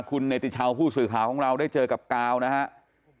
คุณเนติชาวผู้สื่อข่าวของเราได้เจอกับกาวนะครับ